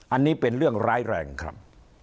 อันนี้เป็นเรื่องร้ายแรงครับ